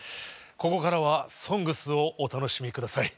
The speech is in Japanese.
ここからは「ＳＯＮＧＳ」をお楽しみ下さい。